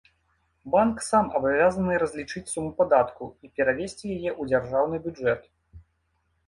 Банк сам абавязаны разлічыць суму падатку і перавесці яе ў дзяржаўны бюджэт.